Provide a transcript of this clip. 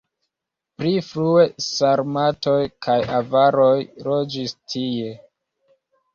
Pli frue sarmatoj kaj avaroj loĝis tie.